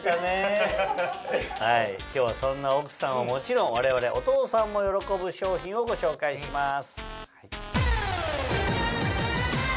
今日はそんな奥さんはもちろん我々お父さんも喜ぶ商品をご紹介します。